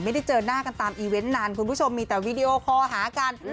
ไม่ได้เจอหน้ากันตามอีเวนต์นานคุณผู้ชมมีแต่วีดีโอคอลหากัน